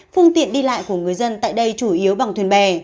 phương tiện đi lại của người dân tại đây chủ yếu bằng thuyền bè